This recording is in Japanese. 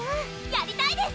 やりたいです！